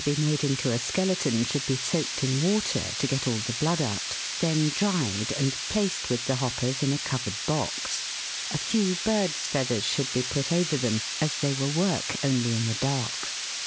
221 be made into a skeleton should be soaked in water, to get all the blood out, then dried and placed with the hoppers in a covered box; a few birds' feathers should be put over them, as they will work only in the dark."